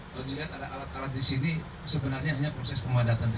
kalian lihat ada alat alat di sini sebenarnya hanya proses pemadatan